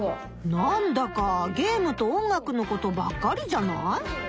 なんだかゲームと音楽のことばっかりじゃない？